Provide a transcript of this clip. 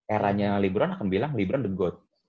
eranya lebron akan bilang lebron the goat